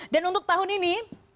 dan untuk tahun ini